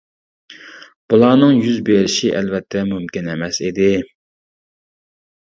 بۇلارنىڭ يۈز بېرىشى ئەلۋەتتە مۇمكىن ئەمەس ئىدى.